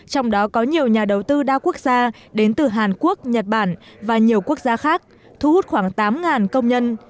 trong đó có nhiều nhà đầu tư đa quốc gia đến từ hàn quốc nhật bản và nhiều quốc gia khác thu hút khoảng tám công nhân